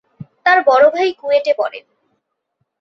তার বড় ভাই কুয়েটে পড়ে।